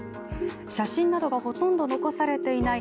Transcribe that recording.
写真などがほとんど残されていない